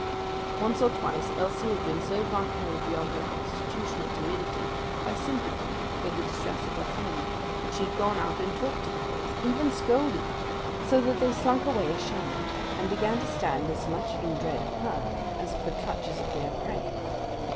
Once or twice Elsie had been so far carried beyond her constitutional timidity, by sympathy for the distress of her friend, that she had gone out and talked to the boys even scolded them, so that they slunk away ashamed, and began to stand as much in dread of her as of the clutches of their prey.